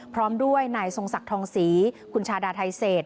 พร้อมด้วยนายทรงศักดิ์ทองศรีคุณชาดาไทเศษ